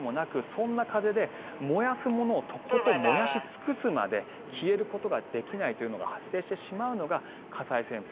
そんな風で燃やすものをとことん燃やし尽くすまで消えることができないというのが発生してしまうのが火災旋風。